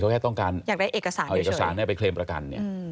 เขาแค่ต้องการเอาเอกสารไปเคลมประกัน